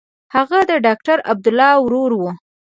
هغه د ډاکټر عبدالله ورور و.